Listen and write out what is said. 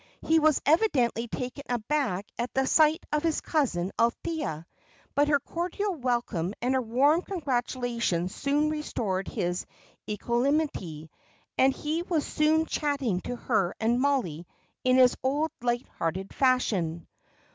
He was evidently taken aback at the sight of his cousin Althea; but her cordial welcome and her warm congratulations soon restored his equanimity, and he was soon chatting to her and Mollie in his old light hearted fashion.